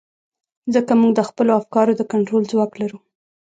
ځکه موږ د خپلو افکارو د کنټرول ځواک لرو.